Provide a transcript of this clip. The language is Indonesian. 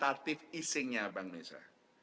kuantitatif easingnya bank indonesia